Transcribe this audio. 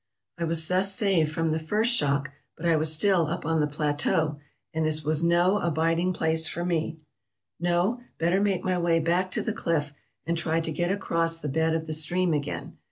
I was thus saved from the first shock, but I was still up on the plateau, and this was no abiding place for me. No; better make my way back to the cliff, and try to MISCELLANEOUS 499 get across the bed of the stream again.